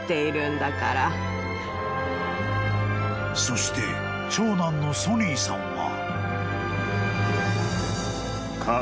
［そして長男のソニーさんは］